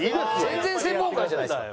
全然専門外じゃないですか。